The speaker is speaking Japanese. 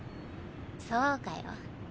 そうかよ。